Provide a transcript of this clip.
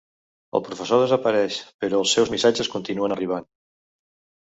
El professor desapareix però els seus missatges continuen arribant.